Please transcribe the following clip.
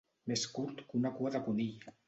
Més curt que una cua de conill.